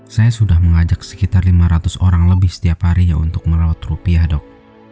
saya sudah mengajak sekitar lima ratus orang lebih setiap harinya untuk merawat rupiah dok